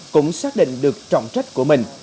cũng xác định được trọng trách của mình